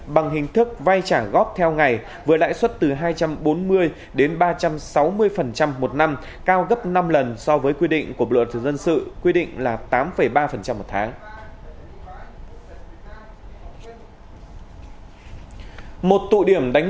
bằng hình thức vay trả góp theo ngày với lãi suất từ hai trăm bốn mươi đến ba trăm sáu mươi một năm cao gấp năm lần so với quy định của bộ luật dân sự quy định là tám ba một tháng